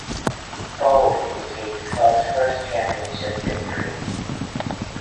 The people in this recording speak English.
Bold indicates club's first championship victory.